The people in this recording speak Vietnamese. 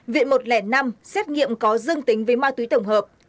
viện một trăm linh năm xét nghiệm có dương tính với ma túy tổng hợp